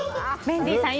メンディーさん